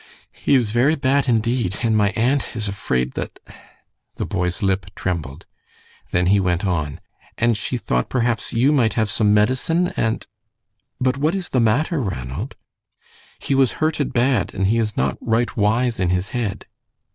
"He is very bad indeed, and my aunt is afraid that " The boy's lip trembled. Then he went on: "And she thought perhaps you might have some medicine, and " "But what is the matter, Ranald?" "He was hurted bad and he is not right wise in his head."